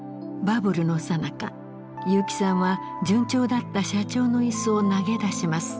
バブルのさなか結城さんは順調だった社長の椅子を投げ出します。